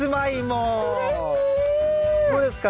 どうですか？